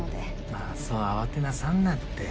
まぁそう慌てなさんなって。